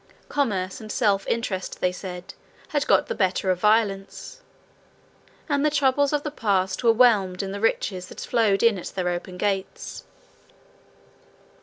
Commerce and self interest, they said, had got the better of violence, and the troubles of the past were whelmed in the riches that flowed in at their open gates.